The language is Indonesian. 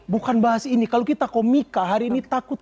bukan bahas ini kalau kita komika hari ini takut